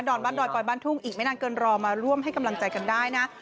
อนบ้านดอยปอยบ้านทุ่งอีกไม่นานเกินรอมาร่วมให้กำลังใจกันได้นะ